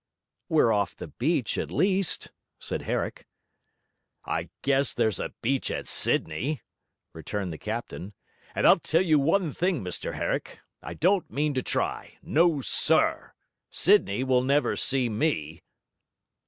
'We're off the beach at least,' said Herrick. 'I guess there's a beach at Sydney,' returned the captain; 'and I'll tell you one thing, Mr Herrick I don't mean to try. No, SIR! Sydney will never see me.'